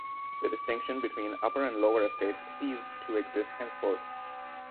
The distinction between "Upper" and "Lower" estates ceased to exist henceforth.